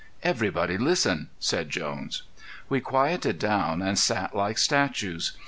"Everybody listen," said Jones. We quieted down and sat like statues.